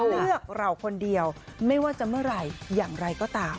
เลือกเราคนเดียวไม่ว่าจะเมื่อไหร่อย่างไรก็ตาม